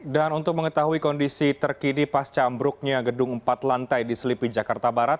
dan untuk mengetahui kondisi terkini pas cambruknya gedung empat lantai di selipi jakarta barat